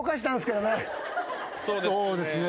そうですね。